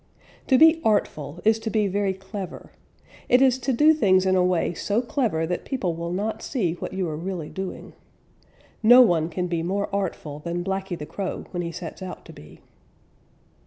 _ To be artful is to be very clever. It is to do things in a way so clever that people will not see what you are really doing. No one can be more artful than Blacky the Crow when he sets out to be.